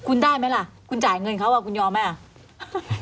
คุณได้ไหมล่ะคุณจ่ายเงินเขาอ่ะคุณยอมไหมอ่ะ